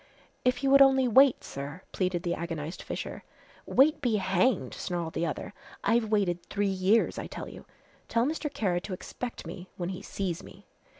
"If you would only wait, sir," pleaded the agonized Fisher. "Wait be hanged," snarled the other. "I've waited three years, I tell you. Tell Mr. Kara to expect me when he sees me!"